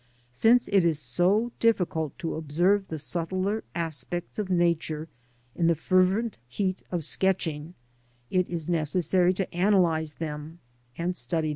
Since it is so difficult to fj observe the subtler aspects of Nature in the fervent heat of ; c sketching, it is necessary to analyse them, and study them separately.